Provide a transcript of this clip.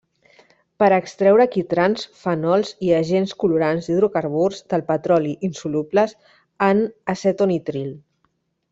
Per extreure quitrans, fenols i agents colorants d'hidrocarburs del petroli insolubles en acetonitril.